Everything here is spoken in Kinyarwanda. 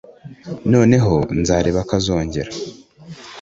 Noneho nzareba ko azongera